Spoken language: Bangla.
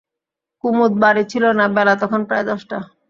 কুমুদ বাড়ি ছিল না, বেলা তখন প্রায় দশটা।